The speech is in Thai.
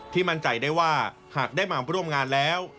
มั่นใจได้ว่าหากได้มาร่วมงานแล้ว